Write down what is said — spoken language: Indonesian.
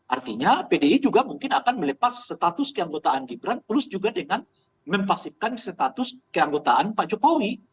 artinya pdi juga mungkin akan melepas status keanggotaan gibran plus juga dengan memfasifkan status keanggotaan pak jokowi